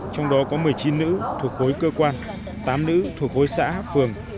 trong đó có một mươi chín nữ thuộc hối cơ quan tám nữ thuộc hối xã phường